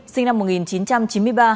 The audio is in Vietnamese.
sinh năm một nghìn chín trăm chín mươi ba